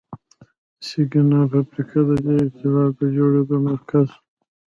د سکانیا فابریکه د دې اېتلاف د جوړېدو مرکز و.